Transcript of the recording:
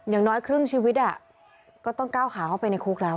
อย่างน้อยครึ่งชีวิตก็ต้องก้าวขาเข้าไปในคุกแล้ว